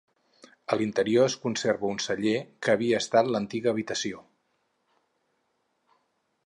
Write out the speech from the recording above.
A l'interior es conserva un celler que havia estat l'antiga habitació.